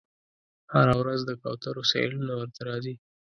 هره ورځ د کوترو سیلونه ورته راځي